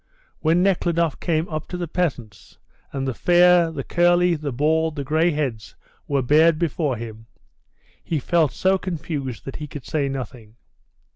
When Nekhludoff came up to the peasants, and the fair, the curly, the bald, the grey heads were bared before him, he felt so confused that he could say nothing.